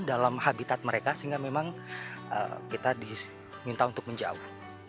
dalam habitat mereka sehingga memang kita diminta untuk menjauh